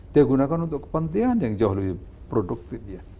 dia gunakan untuk kepentingan yang jauh lebih produktif dia